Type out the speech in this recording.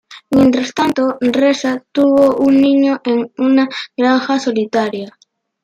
Mientras tanto, Resa tuvo un niño en una granja solitaria.